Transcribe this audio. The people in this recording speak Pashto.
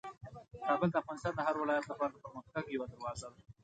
کابل د افغانستان د هر ولایت لپاره د پرمختګ یوه دروازه ده.